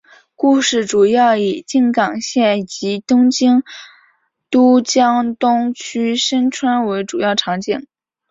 故事主要以静冈县及东京都江东区深川为主要场景。